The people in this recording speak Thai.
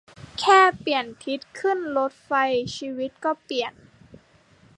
แค่เปลี่ยนทิศขึ้นรถไฟ ชีวิตก็เปลี่ยน